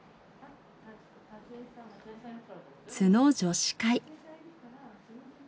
津野女子会。